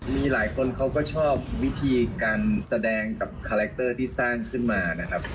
มีหลายคนเขาก็ชอบวิธีการแสดงกับคาแรคเตอร์ที่สร้างขึ้นมานะครับ